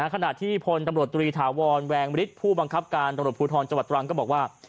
ขณะที่พลตำรวจตรีถาวรแวงมฤทธิ์ผู้บังคับการตำรวจภูทรจังหวัดตรังก็บอกว่า